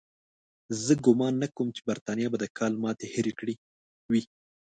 زه ګومان نه کوم چې برټانیې به د کال ماتې هېره کړې وي.